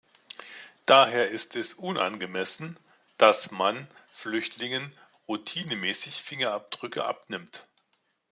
Daher ist es unangemessen, dass man Flüchtlingen routinemäßig Fingerabdrücke abnimmt.